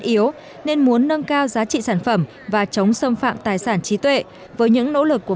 yếu nên muốn nâng cao giá trị sản phẩm và chống xâm phạm tài sản trí tuệ với những nỗ lực của